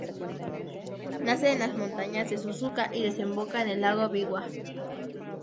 Nace en las montañas Suzuka, y desemboca en el lago Biwa.